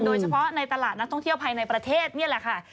ในตลาดนักท่องเที่ยวภายในประเทศนี่แหละค่ะ